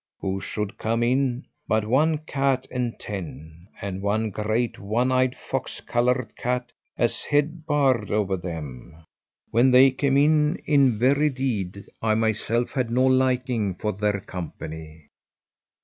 Who should come in but one cat and ten, and one great one eyed fox coloured cat as head bard over them. When they came in, in very deed I myself had no liking for their company.